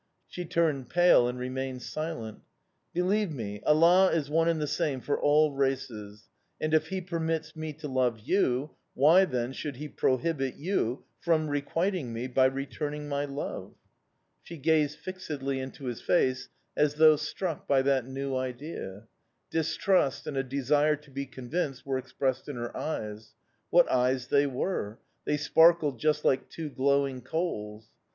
"She turned pale and remained silent. "'Believe me, Allah is one and the same for all races; and, if he permits me to love you, why, then, should he prohibit you from requiting me by returning my love?' "She gazed fixedly into his face, as though struck by that new idea. Distrust and a desire to be convinced were expressed in her eyes. What eyes they were! They sparkled just like two glowing coals.